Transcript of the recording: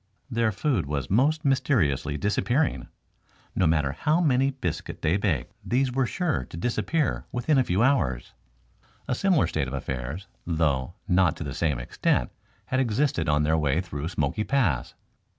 Their food was most mysteriously disappearing. No matter how many biscuit they baked, these were sure to disappear within a few hours. A similar state of affairs, though not to the same extent, had existed on their way through Smoky Pass.